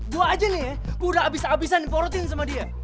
gue aja nih ya gue udah abis abisan mau rutin sama dia